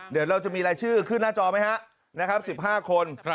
เดี๋ยวเราจะมีรายชื่อขึ้นหน้าจอไหมฮะนะครับ๑๕คน